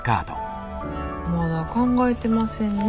まだ考えてませんね。